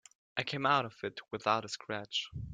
I came out of it without a scratch.